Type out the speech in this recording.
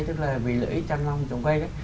tức là vì lợi ích chăn long trồng cây ấy